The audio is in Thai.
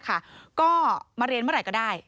ก็มาเรียนเมื่อไหร่ก็ได้